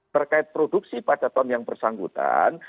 terkait produksi pada ton yang bersangkutan